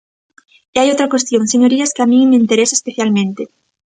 E hai outra cuestión, señorías, que a min me interesa especialmente.